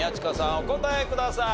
お答えください。